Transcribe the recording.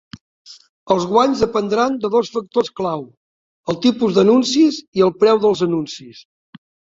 Els guanys dependran de dos factors clau: el tipus d'anuncis i el preu dels anuncis.